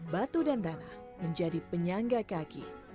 batu dan tanah menjadi penyangga kaki